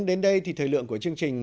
đến đây thì thời lượng của chương trình